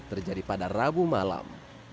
terjadi pada rabu malam